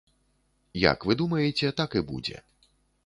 Як вы думаеце, так і будзе.